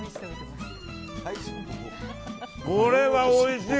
これはおいしい。